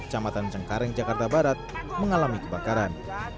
kecamatan cengkareng jakarta barat mengalami kebakaran